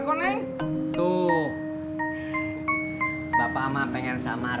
iya ini untuk buat buka puasa mas